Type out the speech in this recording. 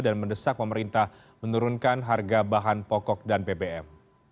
dan mendesak pemerintah menurunkan harga bahan pokok dan pbm